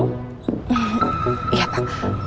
eh ya pak